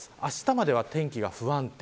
あしたまでは天気が不安定。